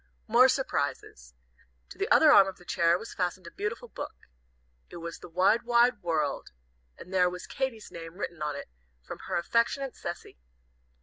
More surprises. To the other arm of the chair was fastened a beautiful book. It was "The Wide Wide World" and there Was Katy's name written on it, 'from her affectionate Cecy.'